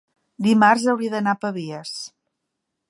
Dimarts hauria d'anar a Pavies.